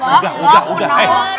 udah udah udah